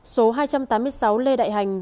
số hai trăm tám mươi sáu lê đại hành